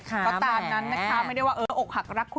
อย่างอยู่ยังอยู่